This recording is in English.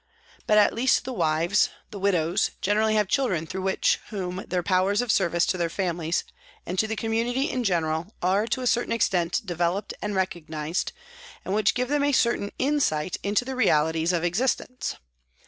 But at least the wives, the widows, generally have children through whom their powers of service to their families and to the com munity in general are to a certain extent developed DEPUTATION TO PRIME MINISTER 41 and recognised, and which give them a certain insight into the realities of existence.